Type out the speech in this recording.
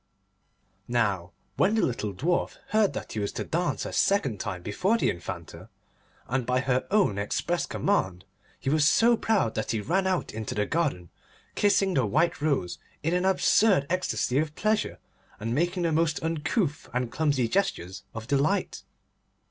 Now when the little Dwarf heard that he was to dance a second time before the Infanta, and by her own express command, he was so proud that he ran out into the garden, kissing the white rose in an absurd ecstasy of pleasure, and making the most uncouth and clumsy gestures of delight.